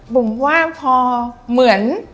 ผมว่าพอเหมือน